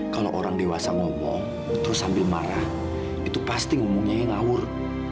kalau orang dewasa ngomong terus sambil marah itu pasti ngomongnya ngawur